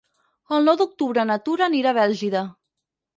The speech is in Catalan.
El nou d'octubre na Tura anirà a Bèlgida.